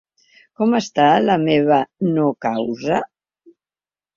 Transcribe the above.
Com està la meva no-causa?